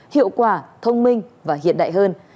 hiệu quả thông minh và hiện đại hơn